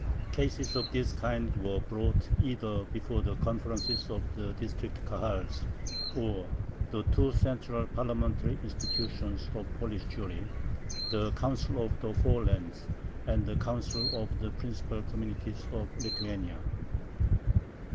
Cases of this kind were brought either before the conferences of the District Kahals or the two central parliamentary institutions of Polish Jewry, the "Council of the Four Lands" and the "Council of the Principal Communities of Lithuania."